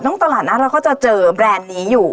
นั่งตลาดนั้นก็จะเจอแบรนด์นี้อยู่